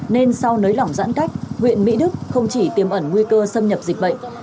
nên sau nới lỏng giãn cách huyện mỹ đức không chỉ tiêm ẩn nguy cơ xâm nhập dịch bệnh